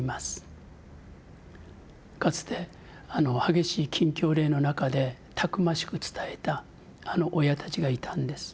かつてあの激しい禁教令の中でたくましく伝えたあの親たちがいたんです。